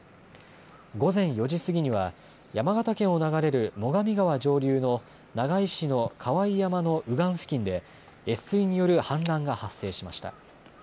午前４時過ぎには山形県を流れる最上川上流の長井市の河井山の右岸付近で越水による氾濫が発生しました。